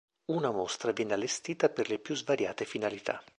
Una mostra viene allestita per le più svariate finalità.